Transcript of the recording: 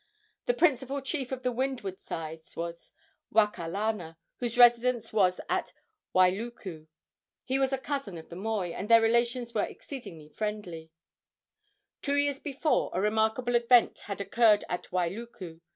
The principal chief of the windward side was Wakalana, whose residence was at Wailuku. He was a cousin of the moi, and their relations were exceedingly friendly. Two years before a remarkable event had occurred at Wailuku.